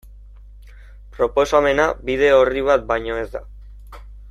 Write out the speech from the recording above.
Proposamena bide orri bat baino ez da.